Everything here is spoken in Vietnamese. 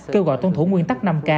kêu gọi tôn thủ nguyên tắc năm k